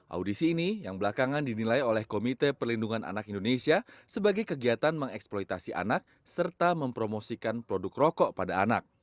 audisi ini yang belakangan dinilai oleh komite perlindungan anak indonesia sebagai kegiatan mengeksploitasi anak serta mempromosikan produk rokok pada anak